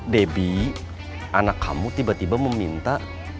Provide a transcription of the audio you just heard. debbie anak kamu tiba tiba meminta